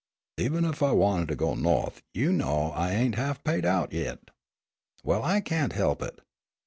"Even ef I wanted to go Nawth you know I ain' half paid out yit." "Well, I can't he'p it.